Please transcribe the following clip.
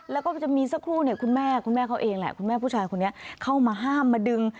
แล้วก็จะมีสักครู่เนี่ยคุณแม่คุณแม่เขาเองแหละคุณแม่ผู้ชายคนนี้เข้ามาห้ามมาดึง